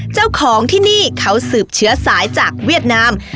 เจ้าของที่นี่เขาสืบเชื้อสายจากเวียดนาม